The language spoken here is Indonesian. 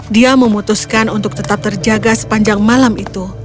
dia memutuskan untuk tetap terjaga sepanjang malam itu